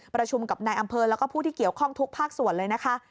ประชุมกับนายอำเภอแล้วก็ผู้ที่เกี่ยวข้องทุกภาคส่วนเลยนะคะ